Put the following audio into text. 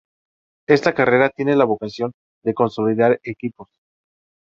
Esta carrera tiene la vocación de consolidar equipos.